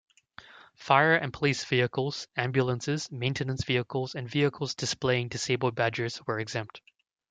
Fire and police vehicles, ambulances, maintenance vehicles, and vehicles displaying disabled badges were exempt.